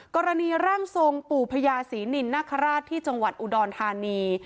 กรณีร่างทรงปู่พญาศรีนินนคราชที่จังหวัดอุดรธานี